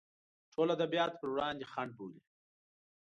ټول ادبیات پر وړاندې خنډ بولي.